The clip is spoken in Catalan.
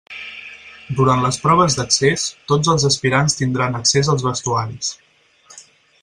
Durant les proves d'accés tots els aspirants tindran accés als vestuaris.